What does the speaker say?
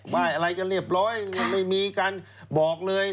อะไรกันเรียบร้อยไม่มีการบอกเลย